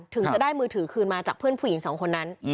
ถึงจะได้มือถือคืนมาจากเพื่อนผู้หญิงสองคนนั้น